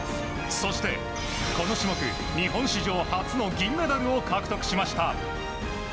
そして、この種目日本史上初の銀メダルを獲得しました。